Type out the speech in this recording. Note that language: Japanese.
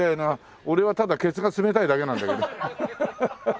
俺はただケツが冷たいだけなんだけど。